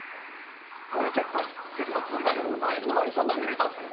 俺、結構いけてたつもりだけど、いつの間にそんなぬれたの？